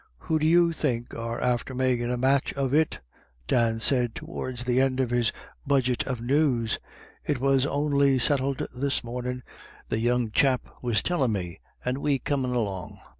" Who do you think are after makin' a match of it ?" Dan said towards the end of his budget of news ;" it was only settled this mornin', the young chap was tellin' me, and we comin' along.